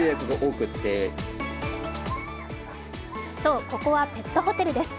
そう、ここはペットホテルです。